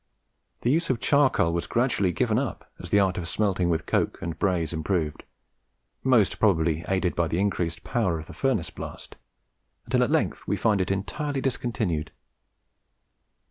The use of charcoal was gradually given up as the art of smelting with coke and brays improved, most probably aided by the increased power of the furnace blast, until at length we find it entirely discontinued.